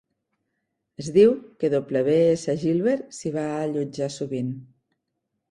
Es diu que W. S. Gilbert s'hi va allotjar sovint.